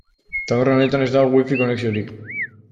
Taberna honetan ez dago Wi-Fi konexiorik.